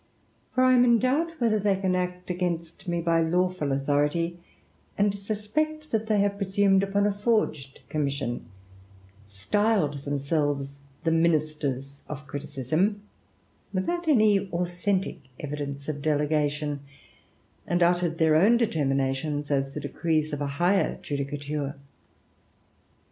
For I am in doubt whether ct against me by lawful authority, and suspect that presumed upon a forged commission, stiled them ministers of CRiTiasM, without any authentick f delegation, and uttered their own determinations rees of a higher judicature.